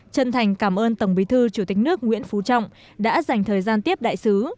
chân thành cảm ơn tổng bí thư chủ tịch nước nguyễn phú trọng đã dành thời gian tiếp đại sứ